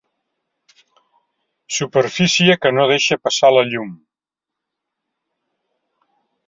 Superfície que no deixa passar la llum.